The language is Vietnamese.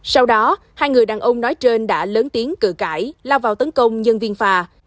sau đó hai người đàn ông nói trên đã lớn tiếng cử cãi lao vào tấn công nhân viên phà